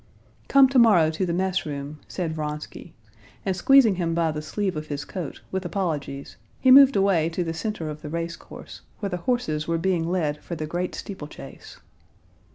"Come tomorrow to the messroom," said Vronsky, and squeezing him by the sleeve of his coat, with apologies, he moved away to the center of the race course, where the horses were being led for the great steeplechase.